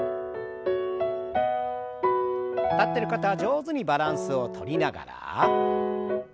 立ってる方は上手にバランスをとりながら。